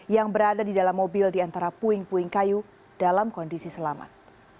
yang berada di dalam mobil di antara puing puing kayu dalam kondisi selamat